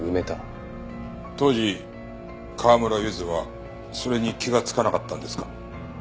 当時川村ゆずはそれに気がつかなかったんですか？